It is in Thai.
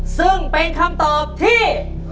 ซึ่งเป็นคำตอบที่